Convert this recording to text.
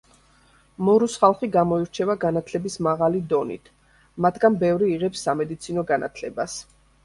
მორუს ხალხი გამოირჩევა განათლების მაღალი დონით, მათგან ბევრი იღებს სამედიცინო განათლებას.